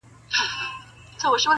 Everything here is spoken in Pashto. چي لیدلی مي په کومه ورځ کابل دی,